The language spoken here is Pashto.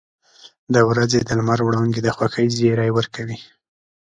• د ورځې د لمر وړانګې د خوښۍ زیری ورکوي.